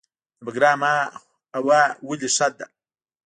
د بګرام هوا ولې ښه ده؟